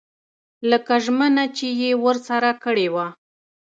لکه ژمنه چې یې ورسره کړې وه.